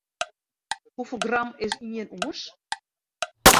Hoefolle gram is ien ûns?